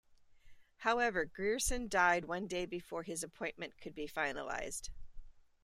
However, Grierson died one day before his appointment could be finalized.